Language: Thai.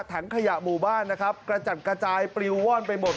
ถังขยะหมู่บ้านนะครับกระจัดกระจายปลิวว่อนไปหมด